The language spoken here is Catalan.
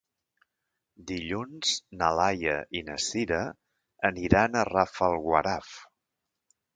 Dilluns na Laia i na Sira aniran a Rafelguaraf.